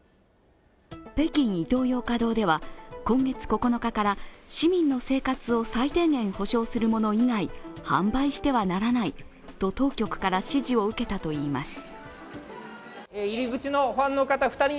北京イトーヨーカドでは今月９日から市民の生活を最低限保障するもの以外、販売してはならないと当局から指示を受けたといいます。